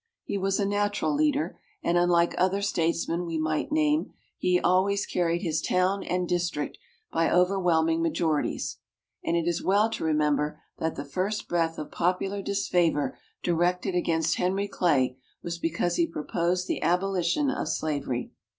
He was a natural leader, and unlike other statesmen we might name, he always carried his town and district by overwhelming majorities. And it is well to remember that the first breath of popular disfavor directed against Henry Clay was because he proposed the abolition of slavery.